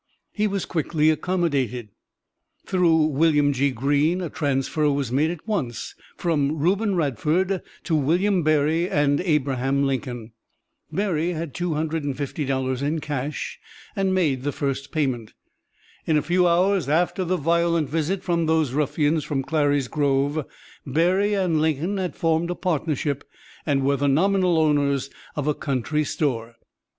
He was quickly accommodated. Through William G. Greene a transfer was made at once from Reuben Radford to William Berry and Abraham Lincoln. Berry had $250 in cash and made the first payment. In a few hours after a violent visit from those ruffians from Clary's Grove Berry and Lincoln had formed a partnership and were the nominal owners of a country store.